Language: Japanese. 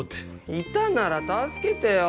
いたなら助けてよ！